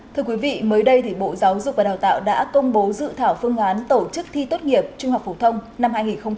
thưa quý vị mới đây thì bộ giáo dục và đào tạo đã công bố dự thảo phương án tổ chức thi tốt nghiệp trung học phổ thông năm hai nghìn hai mươi